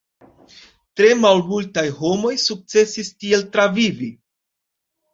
Tre malmultaj homoj sukcesis tiel travivi.